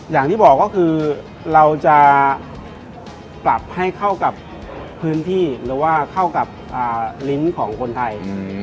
อย่างที่บอกก็คือเราจะปรับให้เข้ากับพื้นที่หรือว่าเข้ากับลิ้นของคนไทย